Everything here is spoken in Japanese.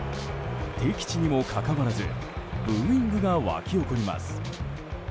敵地にもかかわらずブーイングが沸き起こります。